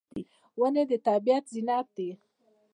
ونې د طبیعت زینت دي.